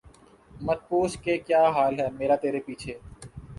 مت پوچھ کہ کیا حال ہے میرا ترے پیچھے